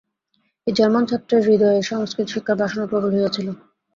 এই জার্মান ছাত্রের হৃদয়ে সংস্কৃত শিক্ষার বাসনা প্রবল হইয়াছিল।